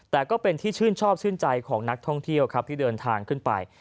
แต่ก็เป็นที่ชื่นชอบชื่นใจของนักท่องเที่ยวครับที่เดินทางขึ้นไป